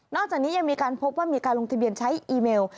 จากนี้ยังมีการพบว่ามีการลงทะเบียนใช้อีเมล